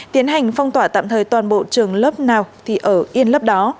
tiến hành phong tỏa tạm thời toàn bộ trường lớp nào thì ở yên lớp đó